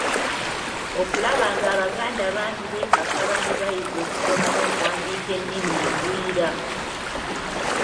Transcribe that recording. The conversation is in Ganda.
Okulaba ng'Abaganda bangi beekakaba ne bayiga okusoma n’okuwandiika ennimi engwira.